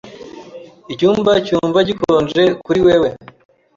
Icyumba cyumva gikonje kuri wewe?